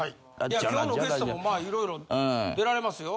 今日のゲストもまあ色々出られますよ。